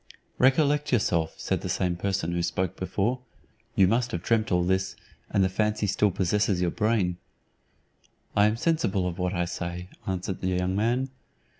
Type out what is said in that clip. "Recollect yourself," said the same person who spoke before; "you must have dreamt all this, and the fancy still possesses your brain." "I am sensible of what I say," answered the young man.